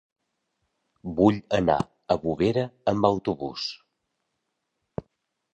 Vull anar a Bovera amb autobús.